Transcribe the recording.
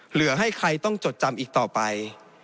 เหลือให้ใครต้องจดจำอีกต่อไป